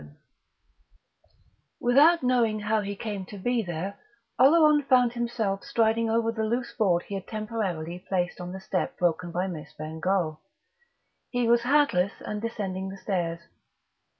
VII Without quite knowing how he came to be there Oleron found himself striding over the loose board he had temporarily placed on the step broken by Miss Bengough. He was hatless, and descending the stairs.